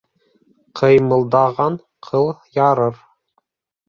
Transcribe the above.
Ҡыймылдаған ҡыл ярыр.